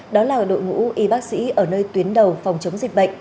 đó là đội ngũ y bác sĩ ở nơi tuyến đầu phòng chống dịch bệnh